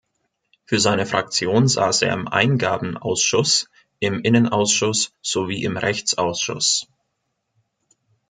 Für seine Fraktion saß er im Eingabenausschuss, im Innenausschuss sowie im Rechtsausschuss.